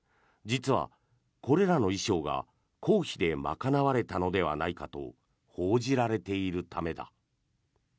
実は、これらの衣装が公費で賄われたのではないかと報じられているためだ。